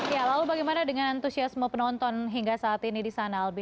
ya lalu bagaimana dengan antusiasme penonton hingga saat ini di sana albi